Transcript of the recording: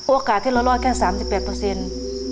โอกาสที่เรารอดแค่เซ็บ๓๘